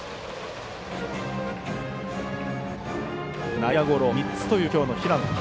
内野ゴロ３つというきょうの平野。